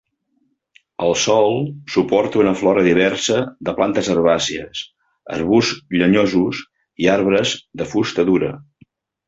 El sòl suporta una flora diversa de plantes herbàcies, arbusts llenyosos i arbres de fusta dura.